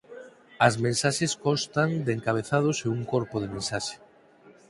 As mensaxes constan de encabezados e un corpo de mensaxe.